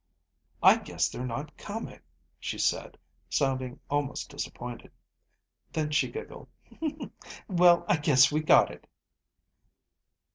"I guess they're not coming," she said, sounding almost disappointed. Then she giggled. "Well, I guess we got it."